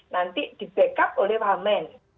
nanti di backup oleh wamen